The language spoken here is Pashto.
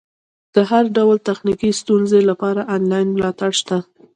د هر ډول تخنیکي ستونزې لپاره انلاین ملاتړ شته.